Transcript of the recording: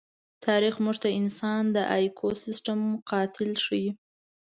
تاریخ موږ ته انسان د ایکوسېسټم قاتل ښيي.